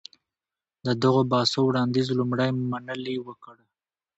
د دغو بحثو وړانديز لومړی منلي وکړ.